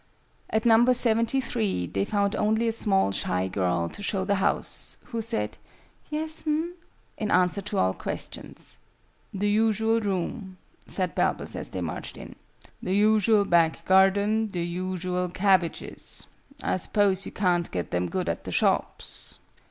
At Number Seventy three they found only a small shy girl to show the house, who said "yes'm" in answer to all questions. "The usual room," said Balbus, as they marched in: "the usual back garden, the usual cabbages. I suppose you can't get them good at the shops?"